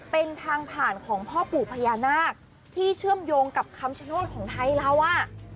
เป็นทางผ่านของพ่อปู่พญานาคที่เชื่อมโยงกับคำชโนธของไทยเราอ่ะ